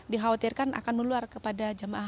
dikhawatirkan akan meluar kepada jemaah